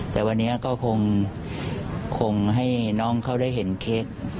แต่วันนี้ก็คงให้น้องเขาได้เห็นเค้ก